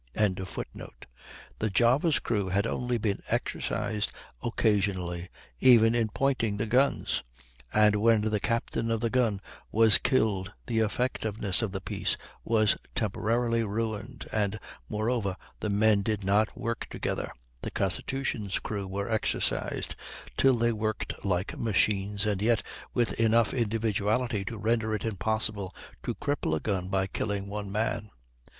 "] The Java's crew had only been exercised occasionally, even in pointing the guns, and when the captain of a gun was killed the effectiveness of the piece was temporarily ruined, and, moreover, the men did not work together. The Constitution's crew were exercised till they worked like machines, and yet with enough individuality to render it impossible to cripple a gun by killing one man.